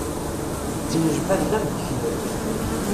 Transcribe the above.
Ttnejban am ddkir.